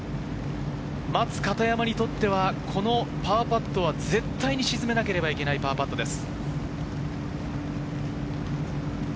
待つ片山にとってはこのパーパットは絶対に沈めなければいけないパーパットです。